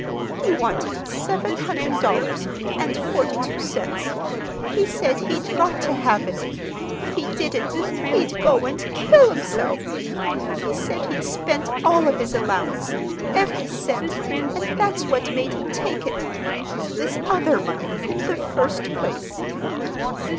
He wanted seven hundred dollars and forty two cents. He said he'd got to have it—if he didn't, he'd go and kill himself. He said he'd spent all of his allowance, every cent, and that's what made him take it—this other money, in the first place."